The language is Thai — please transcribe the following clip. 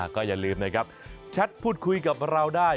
ก็อย่าลืมนะครับแชทพูดคุยกับเราได้